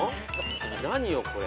次何よこれ。